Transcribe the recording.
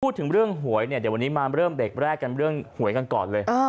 พูดถึงเรื่องหวยเนี่ยเดี๋ยววันนี้มาเริ่มเบรกแรกกันเรื่องหวยกันก่อนเลย